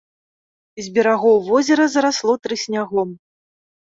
З берагоў возера зарасло трыснягом.